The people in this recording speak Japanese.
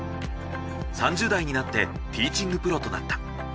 ３０代になってティーチングプロとなった。